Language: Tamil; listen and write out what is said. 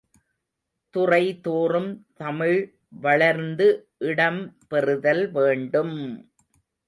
துறைதோறும் தமிழ் வளர்ந்து இடம் பெறுதல் வேண்டும்!